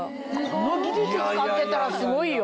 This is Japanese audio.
この技術使ってたらすごいよ！